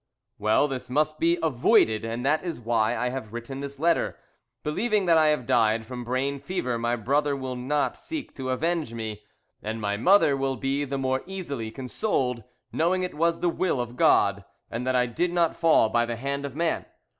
"Well, this must be avoided, and that is why I have written this letter. Believing that I have died from brain fever my brother will not seek to avenge me, and my mother will be the more easily consoled, knowing it was the will of God, and that I did not fall by the hand of man.